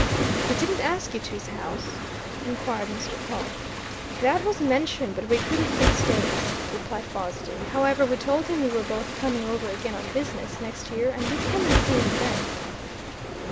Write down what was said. "He didn't ask you to his house?" inquired Mr. Pawle. "That was mentioned, but we couldn't fix dates," replied Fosdick. "However, we told him we were both coming over again on business, next year, and we'd come and see him then."